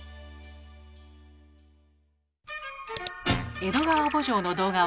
「江戸川慕情」の動画を大募集。